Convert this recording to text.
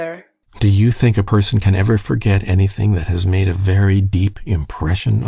Do you think a person can ever forget anything that has made a very deep impression on him?